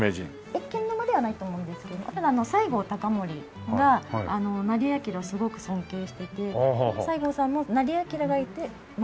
謁見の間ではないと思うんですけど西郷隆盛が斉彬をすごく尊敬してて西郷さんも斉彬がいて活躍できたと。